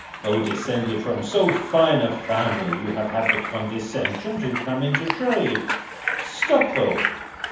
Though descended from so fine a family, you have had the condescension to come into trade? Stop though.